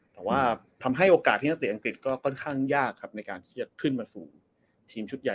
แต่ว่าทำให้โอกาสที่นักเตะอังกฤษก็ค่อนข้างยากครับในการที่จะขึ้นมาสู่ทีมชุดใหญ่